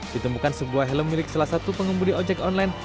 ditemukan sebuah helm milik salah satu pengemudi ojek online